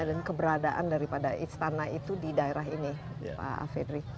dan keberadaan daripada istana itu di daerah ini pak afedri